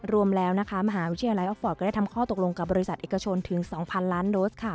รวมแล้วนะคะมหาวิทยาลัยออกฟอร์ตก็ได้ทำข้อตกลงกับบริษัทเอกชนถึง๒๐๐ล้านโดส